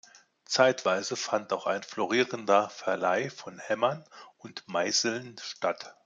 Zeitweise fand auch ein florierender Verleih von Hämmern und Meißeln statt.